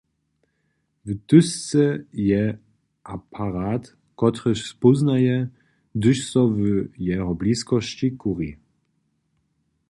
W tyzce je aparat, kotryž spóznaje, hdyž so w jeho bliskosći kuri.